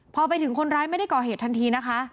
พอไปถึงคนร้ายไม่ได้ก่อเหตุทันทีนะคะ